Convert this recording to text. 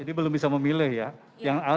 ini belum bisa memilih ya